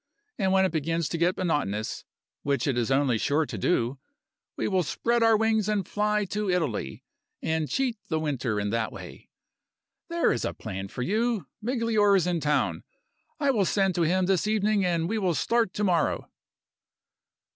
And when it begins to get monotonous (which it is only too sure to do!) we will spread our wings and fly to Italy, and cheat the winter in that way. There is a plan for you! Migliore is in town. I will send to him this evening, and we will start to morrow."